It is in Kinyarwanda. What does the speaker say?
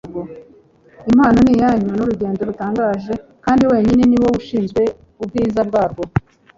impano ni iyanyu - ni urugendo rutangaje - kandi wenyine ni wowe ushinzwe ubwiza bwarwo